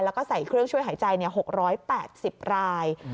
แล้วก็ใส่เครื่องช่วยหายใจ๖๘๐ราย